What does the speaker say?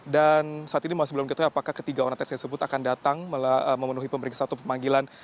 dan saat ini masih belum diketahui apakah ketiga orang teknisi tersebut akan datang memenuhi pemirsa atau pemanggilan